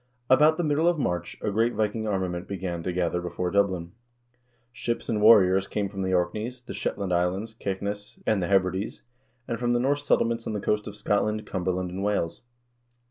About the middle of March a great Viking armament began to gather before Dublin. Ships and warriors came from the Orkneys, the Shetland Islands, Caithness, and the Hebrides, and from the Norse settlements on the coast of Scotland, Cumberland, and Wales.